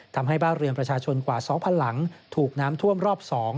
ทำให้บ้านเรือนประชาชนกว่า๒๐๐หลังถูกน้ำท่วมรอบ๒